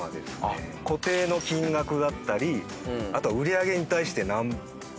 固定の金額だったりあとは売り上げに対して何％。